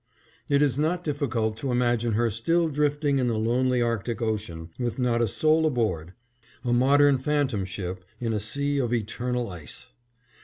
It is not difficult to imagine her still drifting in the lonely Arctic Ocean, with not a soul aboard (a modern phantom ship in a sea of eternal ice).